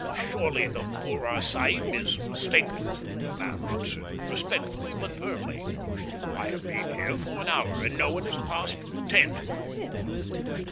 "Surely the Burra Sahib is mistaken," the man answered, respectfully but firmly. "I have been here for an hour, and no one has passed from the tent."